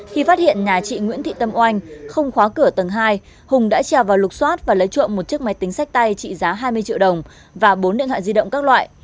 khi phát hiện nhà chị nguyễn thị tâm oanh không khóa cửa tầng hai hùng đã trèo vào lục xoát và lấy trộm một chiếc máy tính sách tay trị giá hai mươi triệu đồng và bốn điện thoại di động các loại